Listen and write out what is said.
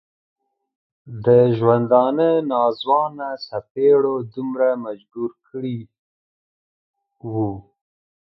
د ژوندانه ناځوانه څپېړو دومره مجبور کړی و.